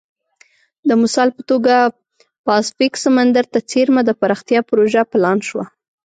د مثال په توګه پاسفیک سمندر ته څېرمه د پراختیا پروژه پلان شوه.